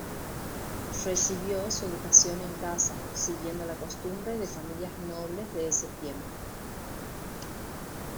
Recibió su educación en casa, siguiendo la costumbre de familias nobles de ese tiempo.